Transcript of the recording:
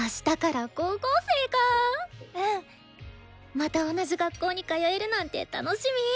また同じ学校に通えるなんて楽しみ。